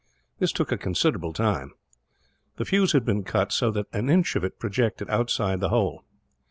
This took a considerable time. The fuse had been cut so that an inch of it projected outside the hole.